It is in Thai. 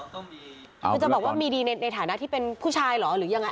คือจะบอกว่ามีดีในฐานะที่เป็นผู้ชายเหรอหรือยังไง